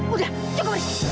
udah cukup rizky